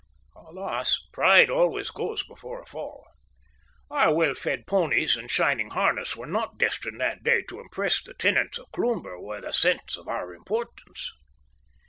Alas! pride always goes before a fall. Our well fed ponies and shining harness were not destined that day to impress the tenants of Cloomber with a sense of our importance.